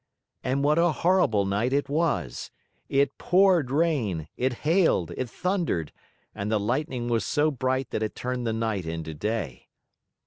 And what a horrible night it was! It poured rain, it hailed, it thundered, and the lightning was so bright that it turned the night into day.